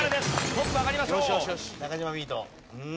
トップ上がりましょう。